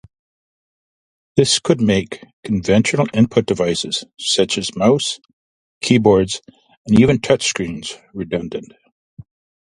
This could make conventional input devices such as mouse, keyboards and even touch-screens redundant.